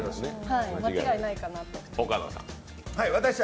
間違いないかな。